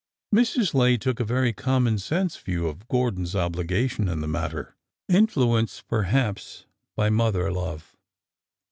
Mrs. Lay took a very common sense view of Gordon's obligation in the matter,— influenced perhaps by mother love.